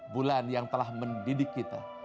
bulan yang telah mendidik kita